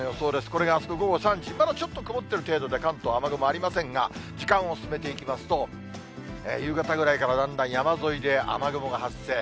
これがあす午後３時、まだちょっと曇ってる程度で、関東、雨雲ありませんが、時間を進めていきますと、夕方ぐらいからだんだん山沿いで雨雲が発生。